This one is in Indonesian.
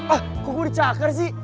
ah kok gue di cakar sih